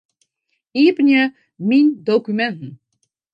Iepenje Myn dokuminten.